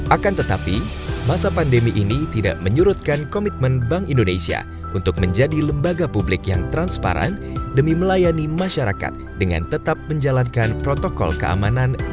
akan tetapi masa pandemi ini tidak menyurutkan komitmen bank indonesia untuk menjadi lembaga publik yang transparan demi melayani masyarakat dengan tetap menjalankan protokol keamanan